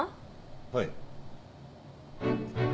はい。